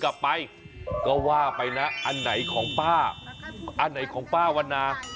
กลับไปก็ว่าไปนะอันไหนของป้าอันไหนของป้าวันนา